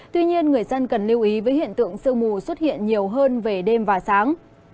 tuy nhiên người dân cần lưu ý với hiện tượng sương mù xuất hiện nhiều hơn về đêm và sáng